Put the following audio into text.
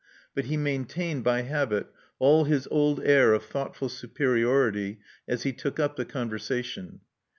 But he maintained, by habit, all his old air of thoughtful superiority as he took up the conversation.